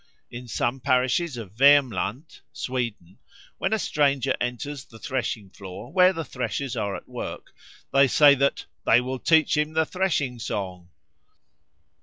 In some parishes of Wermland (Sweden), when a stranger enters the threshing floor where the threshers are at work, they say that "they will teach him the threshing song."